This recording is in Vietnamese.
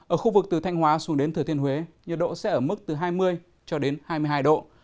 ở khu vực từ thanh hóa xuống đến thừa thiên huế nhiệt độ sẽ ở mức từ hai mươi cho đến hai mươi hai độ